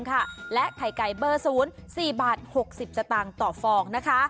ใครไก่บอสูนะคือ๖๐บาทต่อฟอง